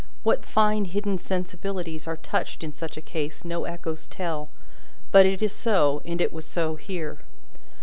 What fine hidden sensibilities are touched in such a case, no echoes tell; but it is so, and it was so here.